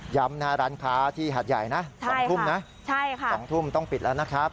ย้ำนะร้านค้าที่หาดใหญ่นะ๒ทุ่มต้องปิดแล้วนะครับ